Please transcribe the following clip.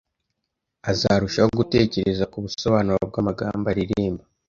azarushaho gutekereza ku busobanuro bw’amagambo aririmba